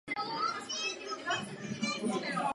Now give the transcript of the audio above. Svou kritiku vyjádřil i jinde.